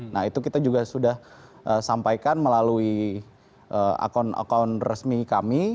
nah itu kita juga sudah sampaikan melalui akun akun resmi kami